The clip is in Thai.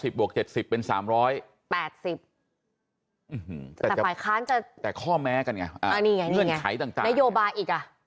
๓๑๐บวก๗๐เป็น๓๘๐แต่ฝ่ายค้านจะแต่ข้อแม้กันไงเนื่องไขต่างนโยบาลอีกอ่ะ